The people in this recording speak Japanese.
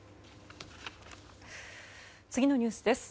次のニュースです。